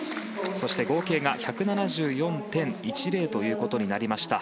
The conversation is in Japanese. そして合計が１７４．１０ということになりました。